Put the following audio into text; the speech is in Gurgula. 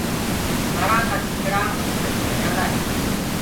ڦآڙآ ڪآ سنگڙآ منک بجآندآ هينٚ۔